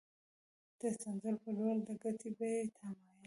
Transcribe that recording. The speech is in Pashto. د تنزل په لور د ګټې د بیې تمایل